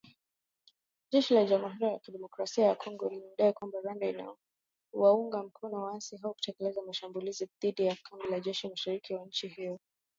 Jeshi la Jamhuri ya Kidemokrasia ya Kongo limedai kwamba Rwanda inawaunga mkono waasi hao kutekeleza mashambulizi dhidi ya kambi za jeshi mashariki mwa nchi hiyo.